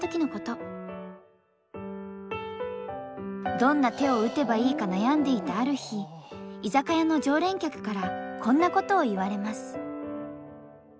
どんな手を打てばいいか悩んでいたある日居酒屋の常連客からこんなことを言われます。